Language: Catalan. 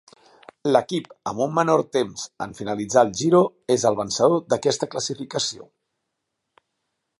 L'equip amb un menor temps en finalitzar el Giro és el vencedor d'aquesta classificació.